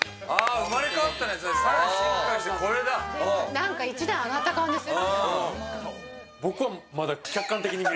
何か一段上がった感じがする。